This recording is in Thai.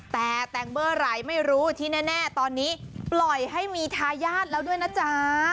แต่แต่งเมื่อไหร่ไม่รู้ที่แน่ตอนนี้ปล่อยให้มีทายาทแล้วด้วยนะจ๊ะ